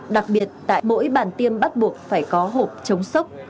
đặc biệt tại mỗi bàn tiêm bắt buộc phải có hộp chống sốc